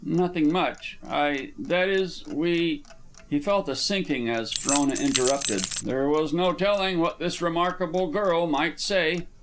"Nothing much. I, that is we " He felt a sinking as Frona interrupted. There was no telling what this remarkable girl might say.